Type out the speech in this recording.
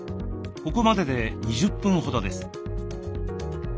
ここまでで２０分ほどです。